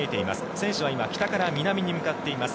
選手は今北から南に向かっています。